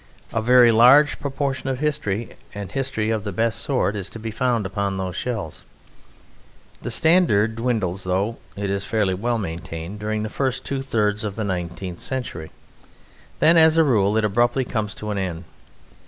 A very large proportion of history, and history of the best sort, is to be found upon those shelves. The standard dwindles, though it is fairly well maintained during the first two thirds of the nineteenth century. Then as a rule it abruptly comes to an end.